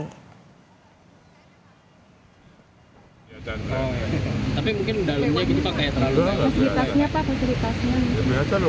ikn berkecil dari ukuran di ikn widya chandra